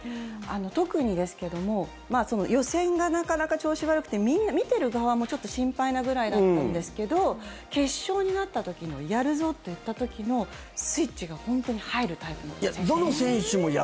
特にですけども予選がなかなか調子悪くてみんな見ている側もちょっと心配なぐらいだったんですけど決勝になった時のやるぞといった時のスイッチが本当に入るタイプの選手です。